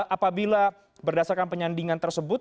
apabila berdasarkan penyandingan tersebut